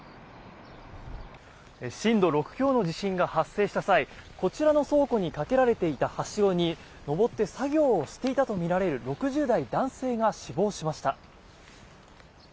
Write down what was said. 震度６強の地震が発生した際こちらの倉庫にかけられていたはしごに上って作業をしてたとみられる６０代男性が死亡しました。